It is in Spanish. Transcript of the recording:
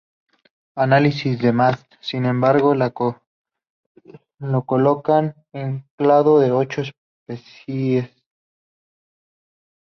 Análisis de Mast, sin embargo, las colocan en clado de ocho especies.